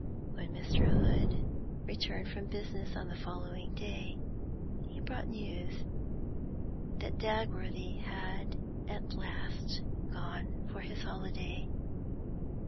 When Mr. Hood returned from business on the following day, he brought news that Dagworthy had at last gone for his holiday.